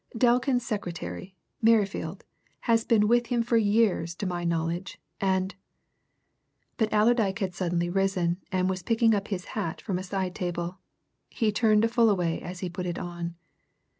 "Delkin's secretary, Merrifield, has been with him for years to my knowledge, and " But Allerdyke had suddenly risen and was picking up his hat from a side table. He turned to Fullaway as he put it on.